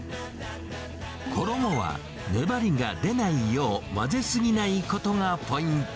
衣は、粘りが出ないよう、混ぜ過ぎないことがポイント。